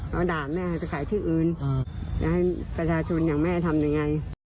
เขาด่าแม่จะขายที่อื่นจะให้ประชาชนอย่างแม่ทำยังไง